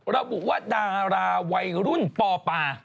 ระบุว่าดาราวัยรุ่นปป